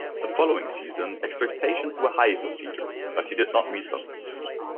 The following season, expectations were high for Peeters but he did not meet them.